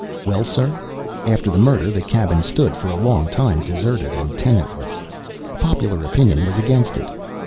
"Well, sir, after the murder, the cabin stood for a long time deserted and tenantless. Popular opinion was against it.